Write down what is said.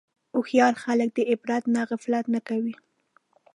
هوښیار خلک د عبرت نه غفلت نه کوي.